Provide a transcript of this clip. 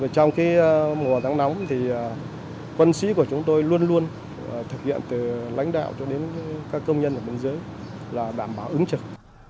trong mùa tháng nóng quân sĩ của chúng tôi luôn thực hiện từ lãnh đạo cho đến các công nhân ở bên dưới là đảm bảo ứng chực